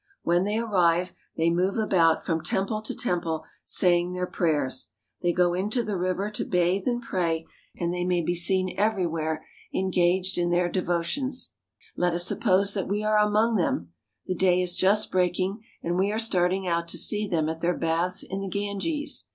When they arrive, they move about from temple to temple, saying their prayers. They go into the river to bathe and pray, and they may be seen everywhere engaged in their devo tions. Let us suppose that we are among them. The day is just breaking, and we are starting out to see them at their baths in the Ganges.